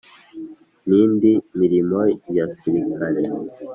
N'indi mirimo ya Sirikare